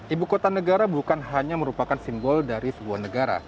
ibu kota negara bukan hanya merupakan simbol dari sebuah negara